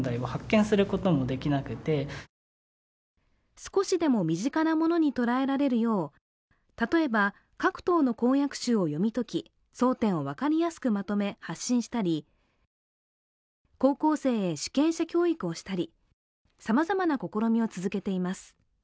少しでも身近なものに捉えられるよう例えば各党の公約集を読み解き争点をわかりやすくまとめ発信したり、高校生へ主権者教育をしたりさまざまな試みを続けています。